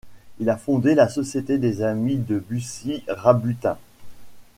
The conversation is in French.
Il a fondé la Société des amis de Bussy-Rabutin.